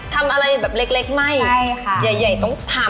ทำอะไรแบบเล็กไหม้ใหญ่ต้องทำ